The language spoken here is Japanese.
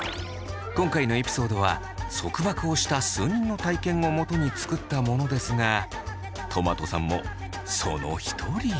今回のエピソードは束縛をした数人の体験をもとに作ったものですがとまとさんもその一人。